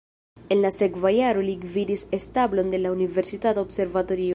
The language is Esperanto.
En la sekva jaro li gvidis establon de la universitata observatorio.